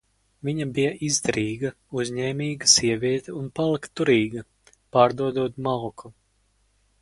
Viņa bija izdarīga, uzņēmīga sieviete un palika turīga, pārdodot malku.